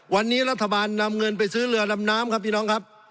วันนี้รัฐบาลนำเงินไปซื้อเรือดำน้ำครับพี่น้องครับ